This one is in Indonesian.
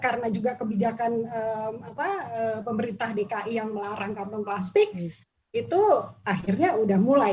karena juga kebijakan pemerintah dki yang melarang kantong plastik itu akhirnya udah mulai